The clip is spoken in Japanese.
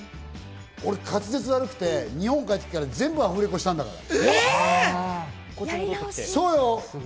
俺、滑舌悪くて帰ってきたら全部アフレコしたんだから。